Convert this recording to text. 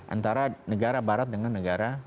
antara negara barat dengan negara